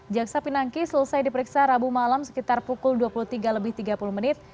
jaksa pinangki selesai diperiksa rabu malam sekitar pukul dua puluh tiga lebih tiga puluh menit